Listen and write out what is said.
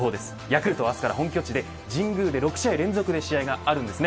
ヤクルトは明日から本拠地で神宮で６試合連続で試合があります。